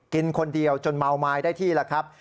กินคนเดียวจนเมาไม้ได้ที่แล้วครับ